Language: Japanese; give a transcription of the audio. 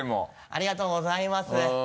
ありがとうございます。